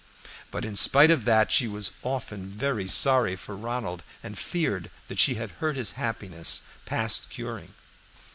But in spite of that she was often very sorry for Ronald, and feared that she had hurt his happiness past curing.